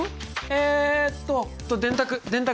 えっと電卓電卓。